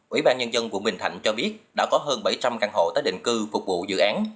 ủy ban nhân dân tp của bình thạnh cho biết đã có hơn bảy trăm linh căn hộ tới định cư phục vụ dự án